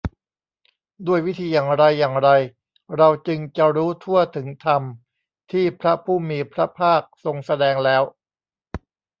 ด้วยวิธีอย่างไรอย่างไร เราจึงจะรู้ทั่วถึงธรรมที่พระผู้มีพระภาคทรงแสดงแล้ว